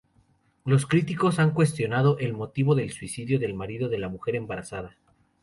Los críticos han cuestionado el motivo del suicidio del marido de la mujer embarazada.